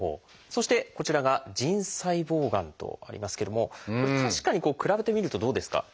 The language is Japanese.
そしてこちらが腎細胞がんとありますけども確かに比べてみるとどうですか？